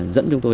dẫn chúng tôi